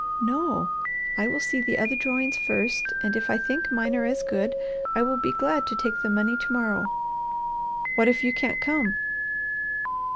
"No. I will see the other drawings first, and if I think mine are as good, I will be glad to take the money to morrow." "What if you can't come?"